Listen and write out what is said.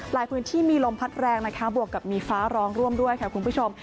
พื้นที่มีลมพัดแรงนะคะบวกกับมีฟ้าร้องร่วมด้วยค่ะคุณผู้ชม